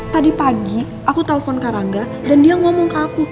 tadi pagi aku telfon kak rangga dan dia ngomong ke aku